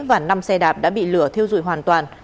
và năm xe đạp đã bị lửa thiêu dụi hoàn toàn